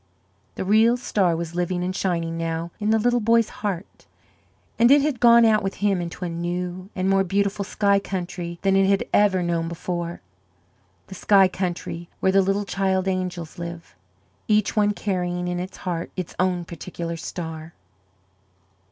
The real star was living and shining now in the little boy's heart, and it had gone out with him into a new and more beautiful sky country than it had ever known before the sky country where the little child angels live, each one carrying in its heart its own particular star.